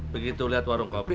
begitu lihat warung kopi